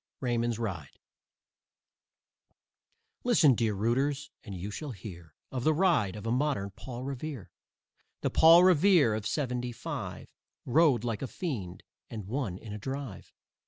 RAYMOND'S RIDE Listen, dear rooters, and you shall hear Of the ride of a modern Paul Revere. The Paul Revere of "seventy five" Rode like a fiend and won in a drive.